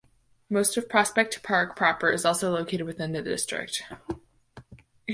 Most of Prospect Park proper is also located within the district.